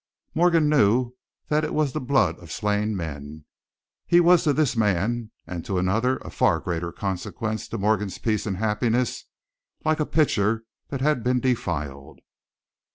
Morgan knew that it was the blood of slain men. He was to this man, and to another of far greater consequence to Morgan's peace and happiness, like a pitcher that had been defiled.